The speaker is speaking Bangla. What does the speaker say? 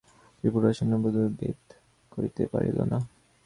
ত্রিপুরার সৈন্য ব্যূহ ভেদ করিতে পারিল না।